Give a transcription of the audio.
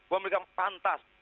bahwa mereka pantas